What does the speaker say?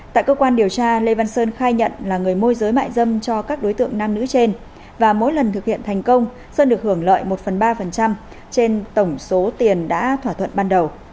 tại cơ quan điều tra lê văn sơn khai nhận là người môi giới mại dâm cho các đối tượng nam nữ trên và mỗi lần thực hiện thành công sơn được hưởng lợi một phần ba trên tổng số tiền đã thỏa thuận ban đầu